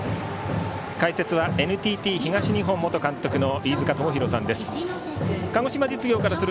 解説はＮＴＴ東日本元監督の飯塚智広さんです。